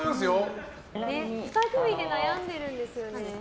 ２組で悩んでるんですよね。